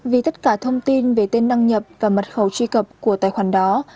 vì tất cả thông tin về tên đăng nhập và mật khẩu truy cập của tài khoản đó